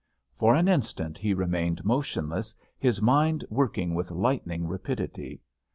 For an instant he remained motionless, his mind working with lightning rapidity.